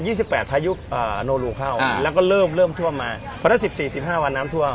สิบแปดพายุอ่าโนรูเข้าแล้วก็เริ่มเริ่มท่วมมาเพราะฉะนั้นสิบสี่สิบห้าวันน้ำท่วม